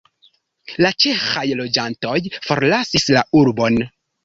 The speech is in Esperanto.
La ĉeĥaj loĝantoj forlasis la urbon.